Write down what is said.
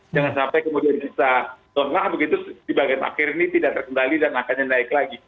jangan sampai kemudian bisa lengah begitu di bagian akhir ini tidak terkendali dan angkanya naik lagi